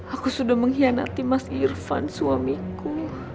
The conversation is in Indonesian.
aku sudah mengkhianati mas irfan suamiku